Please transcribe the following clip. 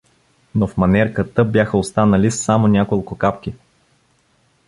Но в манерката бяха останали само няколко капки.